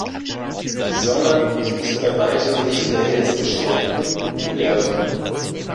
Die Sonne ist bei Weitem nicht der hellste Stern im Universum.